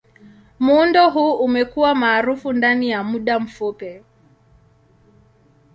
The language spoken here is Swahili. Muundo huu umekuwa maarufu ndani ya muda mfupi.